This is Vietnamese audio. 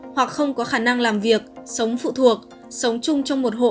hoặc không có khả năng làm việc sống phụ thuộc sống chung trong một hộ